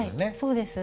そうです。